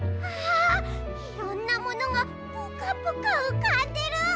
ああいろんなものがプカプカうかんでる。